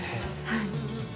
はい。